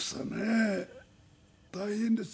大変です。